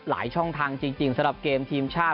ช่องทางจริงสำหรับเกมทีมชาติ